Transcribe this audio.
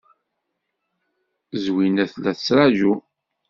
Zwina tella tettṛaju.